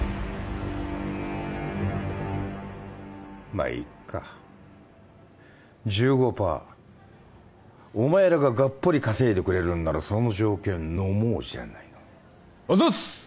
まあいっか１５パーお前らがガッポリ稼いでくれるんならその条件のもうじゃないのあざっす！